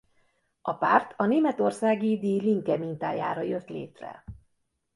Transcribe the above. A párt a németországi Die Linke mintájára jött létre.